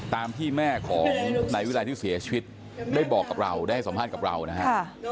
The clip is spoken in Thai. ตามที่แม่ของในเวลาที่เสียชีวิตได้บอกกับเราได้สอบฆ่ากับเรานะฮะ